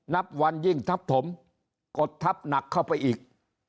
นับวันยิ่งทับถมกดทับหนักเข้าไปอีก